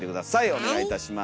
お願いいたします。